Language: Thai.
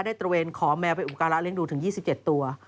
ตระเวนขอแมวไปอุปการะเลี้ยงดูถึง๒๗ตัว